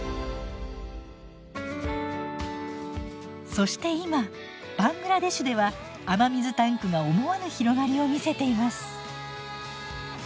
そして今バングラデシュでは雨水タンクが思わぬ広がりを見せています。